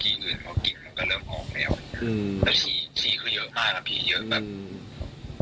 กลิ่นอื่นก็กลิ่นก็เริ่มออกแล้วแล้วผีคือเยอะมากครับผีเยอะแบบ